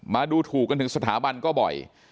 มาดูถูกกันถึงสถาบันก็บ่อย